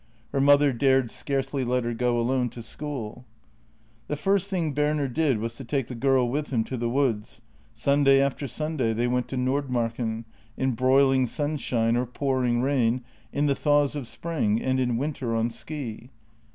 Her mother dared scarcely let her go alone to school. The first thing Berner did was to take the girl with him to the woods; Sunday after Sunday they went to Nordmarken, in broiling sunshine or pouring rain, in the thaws of spring, and in winter on ski.